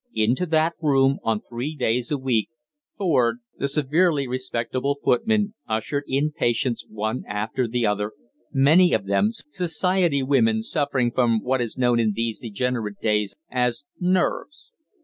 Into that room, on three days a week, Ford, the severely respectable footman, ushered in patients one after the other, many of them Society women suffering from what is known in these degenerate days as "nerves."